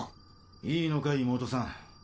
いいのか妹さん？っ！